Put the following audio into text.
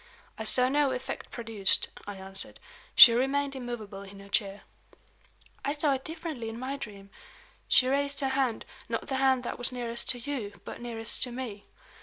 "I saw no effect produced," I answered. "She remained immovable in her chair." "I saw it differently in my dream. She raised her hand not the hand that was nearest to you, but nearest to me.